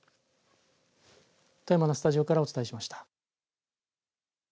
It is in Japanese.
富山のスタジオからお伝えしました。